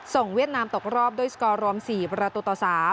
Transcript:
เวียดนามตกรอบด้วยสกอร์รวม๔ประตูต่อ๓